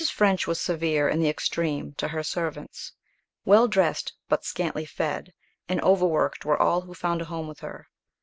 French was severe in the extreme to her servants. Well dressed, but scantily fed, and overworked were all who found a home with her.